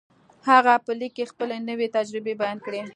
هغه په ليک کې خپلې نوې تجربې بيان کړې.